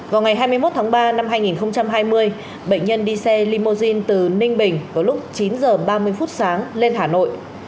vào ngày hai mươi một tháng ba năm hai nghìn hai mươi bệnh nhân đi xe limousine từ ninh bình vào lúc chín h ba mươi phút sáng lên hà nội